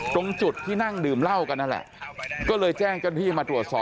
ตรงจุดที่นั่งดื่มเล้ากันแหละก็เลยแจ้งท่านพี่มาตรวจสอบ